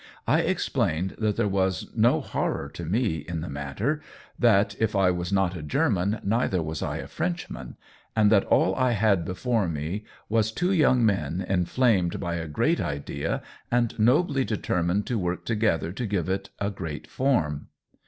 I explained that there was no horror to me in the mat ter, that if I was not a German neither was I a Frenchman, and that all I had before me was two young men inflamed by a great idea and nobly determined to work together to give it a great form.